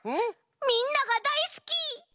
みんながだいすき。